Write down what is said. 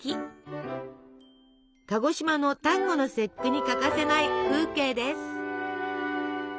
鹿児島の端午の節句に欠かせない風景です。